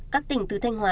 các tỉnh từ thanh hòa